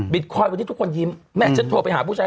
บิตคอยด์วันที่ทุกคนยิ้มแม่ฉันโทรไปหาผู้ชาย